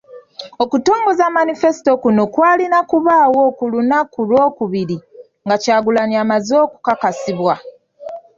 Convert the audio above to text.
Okutongoza Manifesito kuno kw'alina kubaawo ku lunaku Lwokubiri nga Kyagulanyi amaze okukakasibwa.